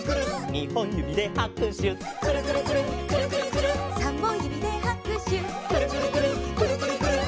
「にほんゆびではくしゅ」「くるくるくるっくるくるくるっ」「さんぼんゆびではくしゅ」「くるくるくるっくるくるくるっ」